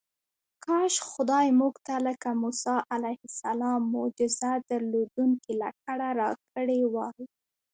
کاش خدای موږ ته لکه موسی علیه السلام معجزې درلودونکې لکړه راکړې وای.